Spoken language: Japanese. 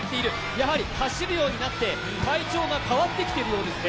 やはり走るようになって体調が変わってきているようですね。